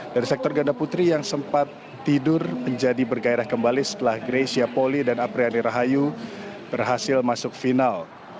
dari sektor ganda putri yang sempat tidur menjadi bergairah kembali setelah greysia poli dan apriani rahayu berhasil masuk final